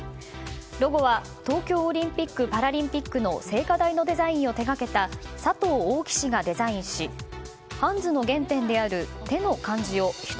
ロゴは、東京オリンピック・パラリンピックの聖火台のデザインを手がけた佐藤オオキ氏がデザインしハンズの原点である手の漢字を一